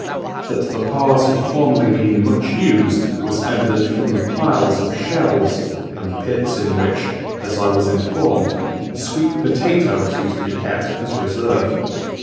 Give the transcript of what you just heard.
That the Pas had formerly been much used, was evident from the piles of shells, and the pits in which, as I was informed, sweet potatoes used to be kept as a reserve.